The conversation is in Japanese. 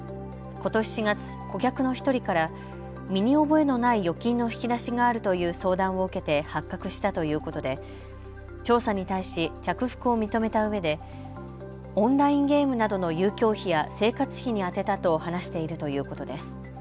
ことし４月、顧客の１人から身に覚えのない預金の引き出しがあるという相談を受けて発覚したということで調査に対し着服を認めたうえでオンラインゲームなどの遊興費や生活費に充てたと話しているということです。